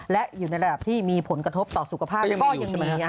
และอยู่ในระดับที่มีผลกระทบต่อสุขภาพก็ยังดี